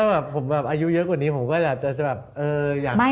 ไม่พูดว่าผมอายุเยอะกว่านี้ผมก็จะแบบเอออยาก